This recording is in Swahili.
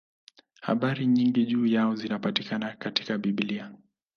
Habari nyingi juu yao zinapatikana katika Biblia.